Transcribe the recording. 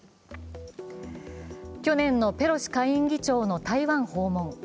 去年のペロシ下院議長の台湾訪問。